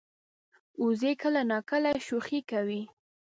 وزې کله ناکله شوخي کوي